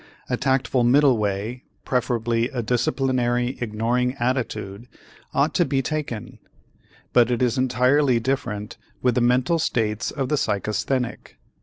A tactful middle way, preferably a disciplinary ignoring attitude, ought to be taken. But it is entirely different with the mental states of the psychasthenic.